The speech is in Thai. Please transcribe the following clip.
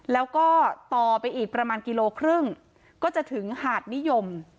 แล้วก็ต่อไปอีกประมาณกิโลครึ่งก็จะถึงหาดนิยม